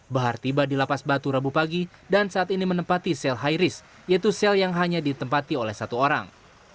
bahar tiba di lapas batu rabu pagi dan saat ini menempati sel high risk yaitu sel yang hanya ditempati oleh satu orang